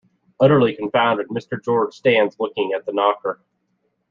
Utterly confounded, Mr. George stands looking at the knocker.